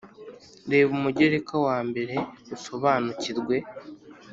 Reba Umugereka wa mbere usobanukirwe